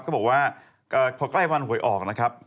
ก็บอกว่าพอใกล้วันหวยออกนะครับ